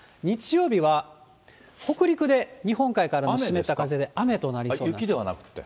日曜日は北陸で日本海側の湿った風で雨となりそうです。